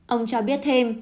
ông cho biết thêm